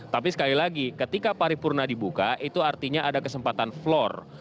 tapi sekali lagi ketika paripurna dibuka itu artinya ada kesempatan floor